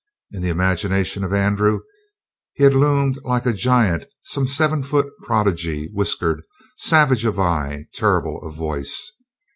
In the imagination of Andrew he had loomed like a giant, some seven foot prodigy, whiskered, savage of eye, terrible of voice.